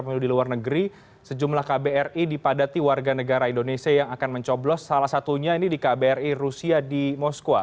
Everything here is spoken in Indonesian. pemilu di luar negeri sejumlah kbri dipadati warga negara indonesia yang akan mencoblos salah satunya ini di kbri rusia di moskwa